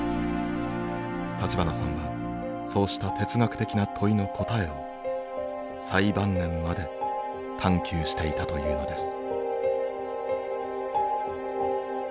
立花さんはそうした哲学的な問いの答えを最晩年まで探求していたというのです。